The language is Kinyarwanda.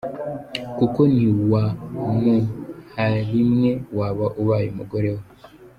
Kuko ntiwamuharimwe waba ubaye umugore we.